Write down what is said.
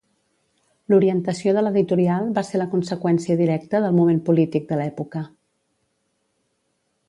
L'orientació de l'editorial va ser la conseqüència directa del moment polític de l'època.